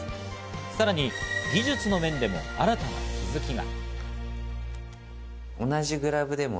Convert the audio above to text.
さらに技術の面でも新たな気づきが。